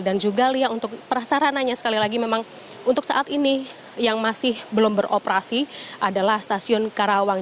dan juga lia untuk perasaranannya sekali lagi memang untuk saat ini yang masih belum beroperasi adalah stasiun karawang